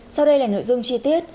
sau đây là nội dung chi tiết